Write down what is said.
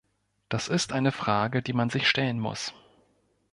Das ist eine Frage, die man sich stellen muss.